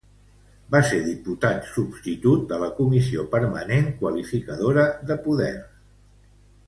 Va ser diputat substitut a la Comissió Permanent Qualificadora de Poders.